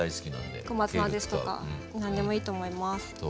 小松菜ですとか何でもいいと思います。